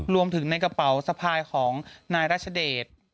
รวมถึงในกระเป๋าสะพายของนายรัชเดช